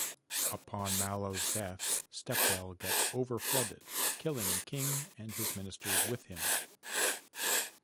Upon Malo's death, stepwell gets over-flooded, killing king and his ministers with him.